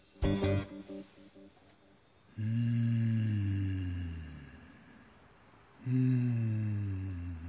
うんうん。